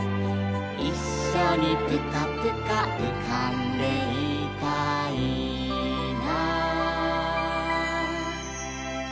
「いっしょにプカプカうかんでいたいな」